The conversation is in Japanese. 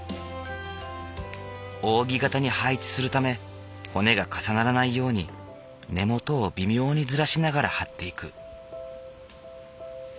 扇形に配置するため骨が重ならないように根元を微妙にずらしながらはっていく。